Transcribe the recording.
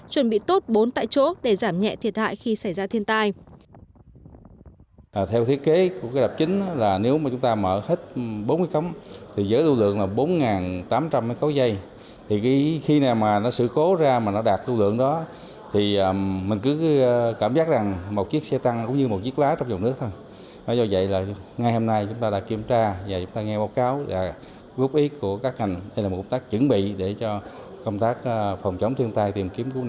chuẩn bị tốt bốn tại chỗ để giảm nhẹ thiệt hại khi xảy ra thiên tai